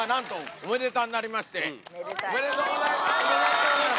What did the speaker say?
おめでとうございます。